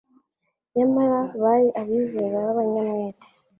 nyamara bari abizera b'abanyamwete.